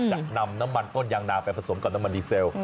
จะนำน้ำมันต้นยางนาไปผสมกับน้ำมันดีเซล